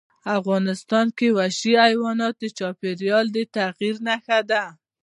افغانستان کې وحشي حیوانات د چاپېریال د تغیر نښه ده.